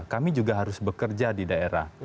kami juga harus bekerja di daerah